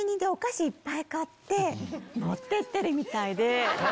買って持ってってるみたいで。